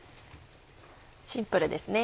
シンプルですね。